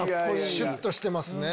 シュっとしてますね。